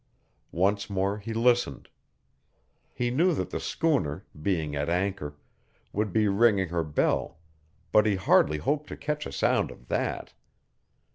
Once more he listened. He knew that the schooner, being at anchor, would be ringing her bell; but he hardly hoped to catch a sound of that.